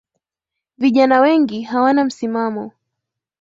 Vijana wengi hawana msimamo